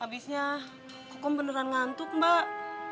abisnya kokong beneran ngantuk mbak